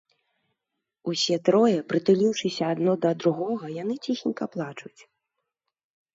Усе трое, прытулiўшыся адно да другога, яны цiхенька плачуць.